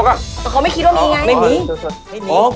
แต่เขาไม่คิดว่ามีไงไม่มี